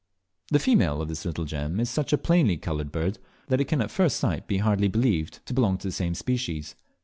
The female of this little gem is such a plainly coloured bird, that it can at first sight hardly be believed to belong to the same species.